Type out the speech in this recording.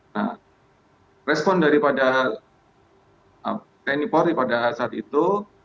nah respon daripada tni polri pada saat itu